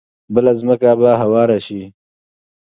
بله ځمکه به هواره شي.